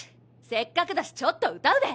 せっかくだしちょっと歌うべ！